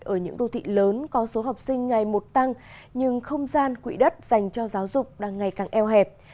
ở những đô thị lớn có số học sinh ngày một tăng nhưng không gian quỹ đất dành cho giáo dục đang ngày càng eo hẹp